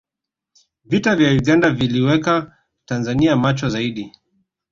vita vya uganda viliiweka tanzania macho zaidi